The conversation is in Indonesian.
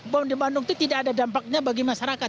bom di bandung itu tidak ada dampaknya bagi masyarakat